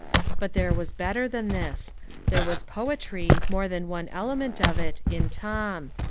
But there was better than this there was poetry, more than one element of it, in Tom.